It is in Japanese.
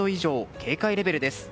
警戒レベルです。